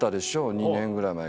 ２年ぐらい前かな。